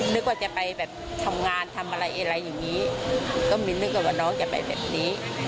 นึกว่าจะไปแบบทำงานทำอะไรอะไรอย่างนี้ก็ไม่นึกว่าน้องจะไปแบบนี้